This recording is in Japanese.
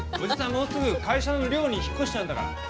もうすぐ会社の寮に引っ越しちゃうんだから」。